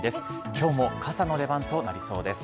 きょうも傘の出番となりそうです。